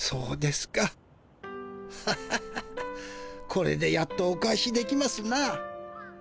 これでやっとお返しできますな。